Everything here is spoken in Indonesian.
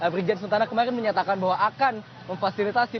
brigjen suntana kemarin menyatakan bahwa akan memfasilitasi